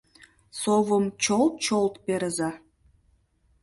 Совым чолт-чолт перыза.